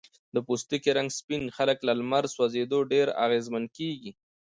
د پوستکي رنګ سپین خلک له لمر سوځېدو ډیر اغېزمن کېږي.